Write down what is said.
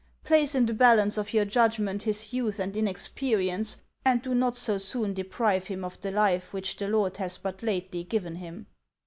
Place in the balance of your judgment his youth and inexperience, and do not so soon deprive him of the life which the Lord has but lately given him."